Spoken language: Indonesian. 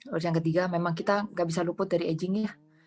terus yang ketiga memang kita nggak bisa luput dari agingnya